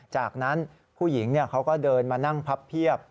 จากนั้นผู้หญิงเขาก็เดินมานั่งพับเพียบ